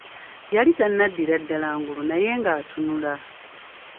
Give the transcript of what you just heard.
Yali tannaddira ddala ngulu, naye nga atunula.